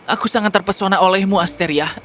aku sangat terpesona olehmu asteria